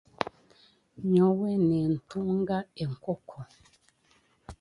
nyowe nintunga enkoko.